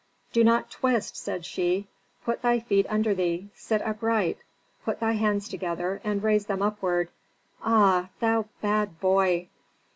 "Do not twist," said she, "put thy feet under thee, sit upright, put thy hands together and raise them upward. Ah, thou bad boy!"